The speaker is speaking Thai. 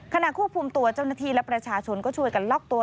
ขณะควบคุมตัวเจ้าหน้าที่และประชาชนก็ช่วยกันล็อกตัว